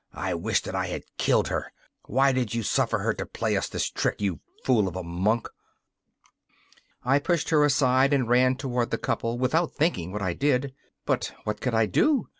'I wish that I had killed her. Why did you suffer her to play us this trick, you fool of a monk?' I pushed her aside and ran toward the couple without thinking what I did. But what could I do?